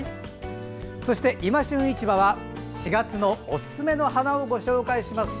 そして「いま旬市場」は４月のおすすめの花をご紹介します。